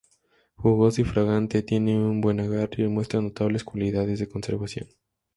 Jugoso y fragante, tiene un buen agarre y muestra notables cualidades de conservación.